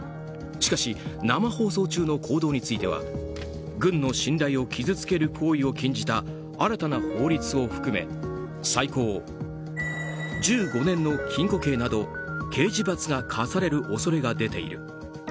しかし、生放送中の行動については軍の信頼を傷つける行為を禁じた新たな法律を含め最高１５年の禁錮刑など刑事罰が科される恐れが出ている。